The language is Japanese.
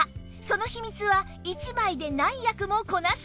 その秘密は１枚で何役もこなすから